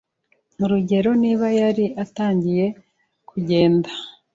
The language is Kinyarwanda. Urugero niba yari atangiye kugenda